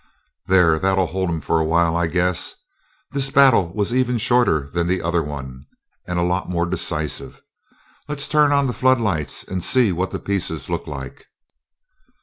"There, that'll hold 'em for a while, I guess. This battle was even shorter than the other one and a lot more decisive. Let's turn on the flood lights and see what the pieces look like."